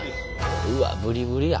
うわっブリブリや。